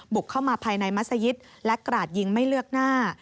บุกเข้ามาภายในมัศยิตและกราดยิงไม่เลือกหน้า